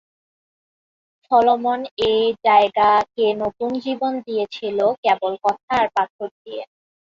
Solomon এ জায়গাকে নতুন জীবন দিয়েছিল, কেবল কথা আর পাথর দিয়ে!